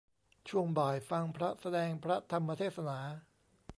ช่วงบ่าย ฟังพระแสดงพระธรรมเทศนา